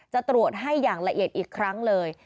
จะตรวจให้อย่างละเอียดอีกครั้งเลย